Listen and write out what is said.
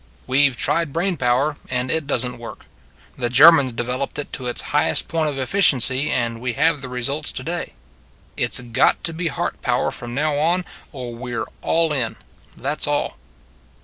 We Ve tried brain power, and it does n t work. The Germans developed it to its highest point of efficiency, and we have the results to day. It s got to be heart power from now on, or we re all in; that s all."